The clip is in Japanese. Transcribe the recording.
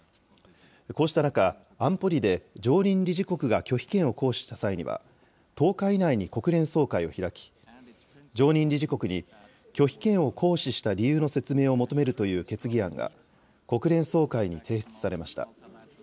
こうした中、安保理で常任理事国が拒否権を行使した際には、１０日以内に国連総会を開き、常任理事国に拒否権を行使した理由の説明を求めるという決議案が、国連総会に提出されました。